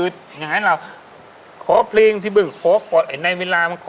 ดูชั้นนี่แหละ